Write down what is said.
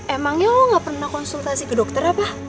emangnya lo gak pernah konsultasi ke dokter apa